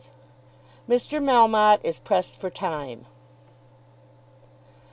MR. MELMOTTE IS PRESSED FOR TIME.